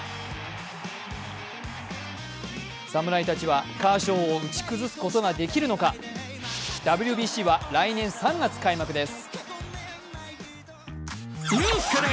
侍たちはカーショウを打ち崩すことができるのか、ＷＢＣは来年３月開幕です。